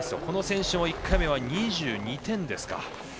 この選手も１回目は２２点ですか。